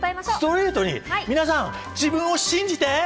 皆さん自分を信じて！